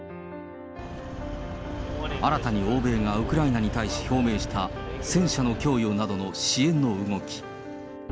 新たに欧米がウクライナに対し表明した、戦車の供与などの支援の動き。